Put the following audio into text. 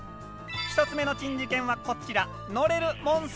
１つ目の珍事件はこちら！